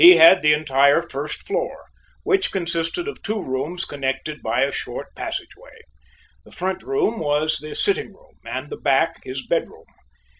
He had the entire first floor, which consisted of two rooms connected by a short passageway. The front room was the sitting room, and the back his bedroom.